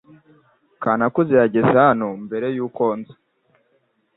Kanakuze yageze hano mbere yuko nza .